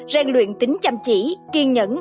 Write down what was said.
rèn luyện tính chăm chỉ kiên nhẫn